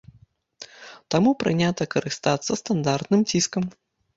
Таму прынята карыстацца стандартным ціскам.